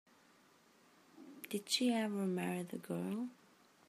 Did she ever marry the girl?